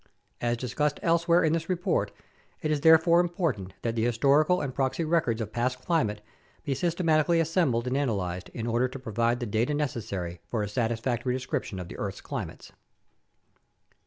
As discussed elsewhere in this report, it is therefore important that the historical and proxy records of past climate be systematically assembled and analyzed, in order to provide the data necessary for a satisfactory description of the earth's climates.